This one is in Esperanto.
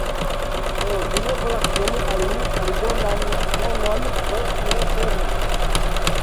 Ho, vi ne volas doni al mi aldonan monon pro mia servo?